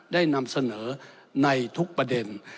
ได้นำเสนอในทุกประเด็น